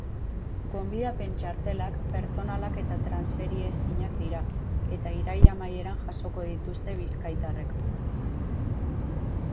Gonbidapen txartelak pertsonalak eta transferiezinak dira, eta irail amaieran jasoko dituzte bizkaitarrek.